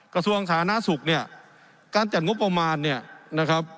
กระทรวงสาธารณสุขเนี่ยการจัดงบประมาณเนี่ยนะครับ